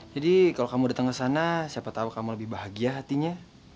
jadi kalau kamu dateng kesana siapa tau kamu lebih bahagia hatinya